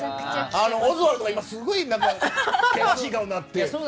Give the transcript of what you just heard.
オズワルドが今すごい険しい顔になって。